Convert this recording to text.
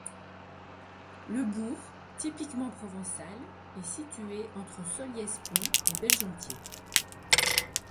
Le bourg, typiquement provençal, est situé entre Solliès-Pont et Belgentier.